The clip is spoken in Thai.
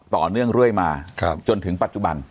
ก็ต่อเนื่องเรื่อยมาจนถึงปัจจุบัน